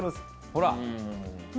ほら！